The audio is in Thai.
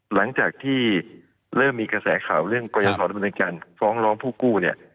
หลังจากที่เริ่มมีกระแสข่าวเรื่องกรยศรดำเนินการฟ้องร้องผู้กู้เนี่ย